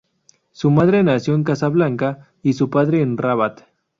Su madre nació en Casablanca y su padre en Rabat.